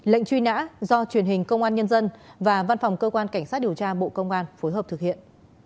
lệnh truy nã do truyền hình công an nhân dân và văn phòng cơ quan cảnh sát điều tra bộ công an phối hợp thực hiện